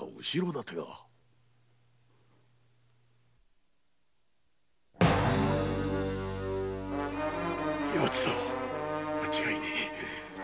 間違いねえ！